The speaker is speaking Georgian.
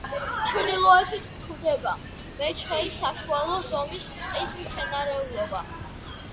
ჩრდილოეთით გვხვდება, მეჩხერი საშუალო ზომის ტყის მცენარეულობა.